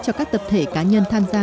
cho các tập thể cá nhân tham gia